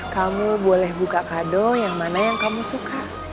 kamu boleh buka kado yang mana yang kamu suka